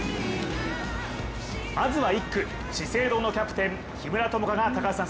まずは１区、資生堂のキャプテン・木村友香が高橋さん